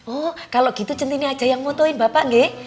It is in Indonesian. oh kalau gitu centini aja yang motoin bapak gak